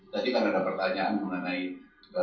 tadi kan ada pertanyaan mengenai